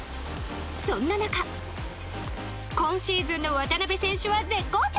そんな中、今シーズンの渡邊選手は絶好調！